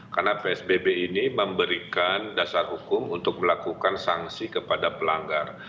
karena psbb ini memberikan dasar hukum untuk melakukan sanksi kepada pelanggar